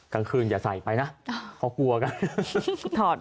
กลางคืนอย่าใส่ไปนะเขากลัวกันถอด